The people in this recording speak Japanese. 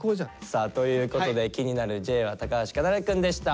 さあということで「気になるＪ」は高橋奏琉くんでした。